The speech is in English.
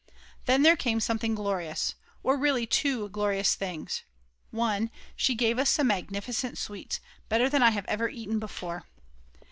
Then there came something glorious, or really 2 glorious things: (1). She gave us some magnificent sweets, better than I have ever eaten before.